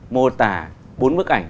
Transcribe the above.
mô tả bốn bức ảnh